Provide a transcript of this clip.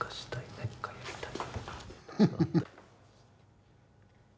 「何かをやりたい」。